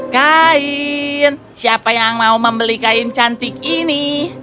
kain siapa yang mau membeli kain cantik ini